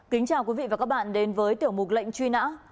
kính chào quý vị và các bạn đến với tiểu mục lệnh truy nã